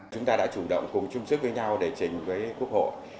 chúng ta đã chủ động cùng chung sức với nhau để trình với quốc hội